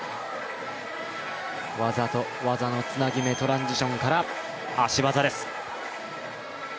技と技のつなぎ目、トランジションから足技です。